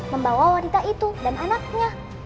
membawa wanita itu dan anaknya